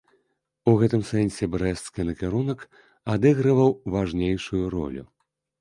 У гэтым сэнсе брэсцкі накірунак адыгрываў важнейшую ролю.